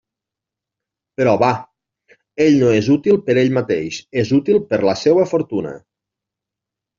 Però, bah, ell no és útil per ell mateix, és útil per la seua fortuna.